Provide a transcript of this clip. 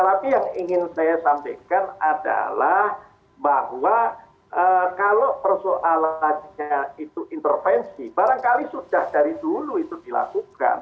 tapi yang ingin saya sampaikan adalah bahwa kalau persoalannya itu intervensi barangkali sudah dari dulu itu dilakukan